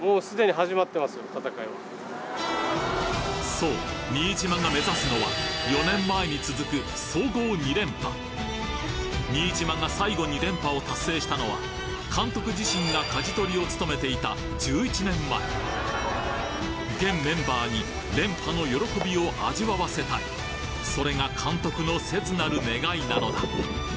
そう新島が目指すのは新島が最後に連覇を達成したのは監督自身が舵取りを務めていた１１年前現メンバーに連覇の喜びを味わわせたいそれが監督の切なる願いなのだ！